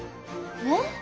えっ？